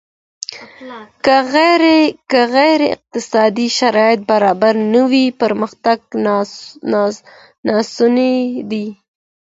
که غير اقتصادي شرايط برابر نه وي پرمختګ ناسونی دی.